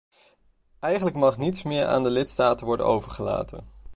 Eigenlijk mag niets meer aan de lidstaten worden overgelaten.